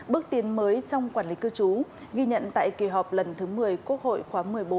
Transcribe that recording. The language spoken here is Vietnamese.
bước tiến mới trong quản lý cư trú ghi nhận tại kỳ họp lần thứ một mươi quốc hội khóa một mươi bốn